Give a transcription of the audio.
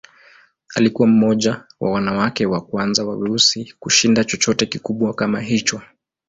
Alikuwa mmoja wa wanawake wa kwanza wa weusi kushinda chochote kikubwa kama hicho.